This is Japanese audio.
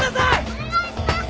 お願いします。